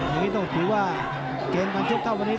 ทงนี้ต้องถือว่าเกณฑ์มันชุดเท่าพอดี